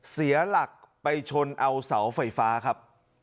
เสียหลักไปชนเอาเสาไฟฟ้าครับ